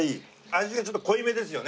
味がちょっと濃いめですよね。